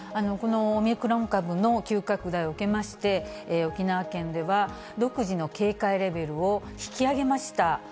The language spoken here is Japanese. このオミクロン株の市中拡大を受けまして、沖縄県では、独自の警戒レベルを引き上げました。